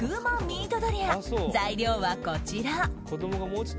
ミートドリア材料はこちら。